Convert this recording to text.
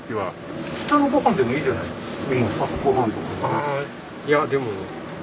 あいやでも。